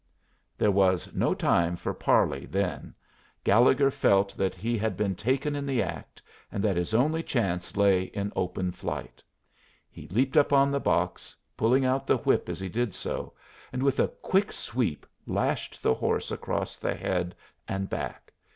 There was no time for parley then. Gallegher felt that he had been taken in the act, and that his only chance lay in open flight. He leaped up on the box, pulling out the whip as he did so, and with a quick sweep lashed the horse across the head and back.